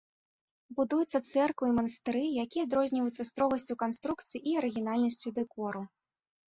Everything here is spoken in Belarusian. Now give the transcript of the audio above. Будуюцца цэрквы і манастыры, якія адрозніваюцца строгасцю канструкцый і арыгінальнасцю дэкору.